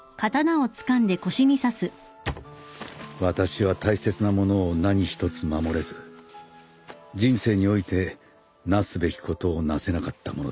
私は大切なものを何一つ守れず人生においてなすべきことをなせなかったものだ。